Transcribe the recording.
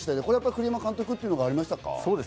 栗山監督というものがありましたか？